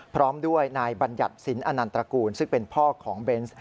พร้อมด้วยนายบัญญัติสินอนันตระกูลซึ่งเป็นพ่อของเบนส์